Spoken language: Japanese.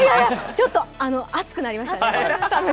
ちょっと熱くなりましたね。